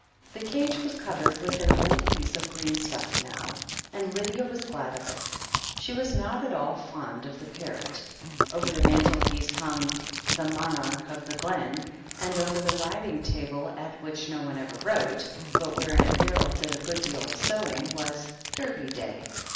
The cage was covered with an old piece of green stuff now, and Lydia was glad of it. She was not at all fond of the parrot. Over the mantelpiece hung *The Monarch of the Glen," and over the writing table, at which no one ever wrote, but where Aunt Beryl did a good deal of sewing, was "Derby Day."